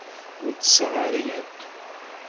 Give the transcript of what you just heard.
Ur tesseɣ ara akk.